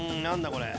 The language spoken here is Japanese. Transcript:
これ。